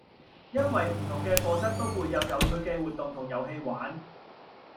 因為唔同嘅課室都會有有趣嘅活動同遊戲玩